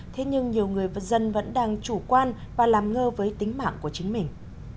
thế nhưng nhiều người và dân vẫn đang chủ quan và làm ngơ với tính mạng của chính mình